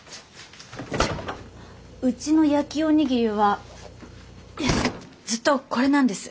うちの焼きおにぎりはずっとこれなんです。